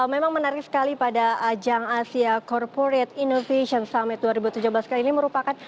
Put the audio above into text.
memang menarik sekali pada ajang asia corporate innovation summit dua ribu tujuh belas kali ini merupakan